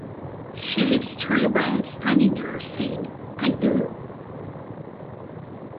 She leaves Charlie Brown standing there, saying "I do?".